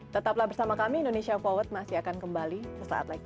tetaplah bersama kami indonesia forward masih akan kembali sesaat lagi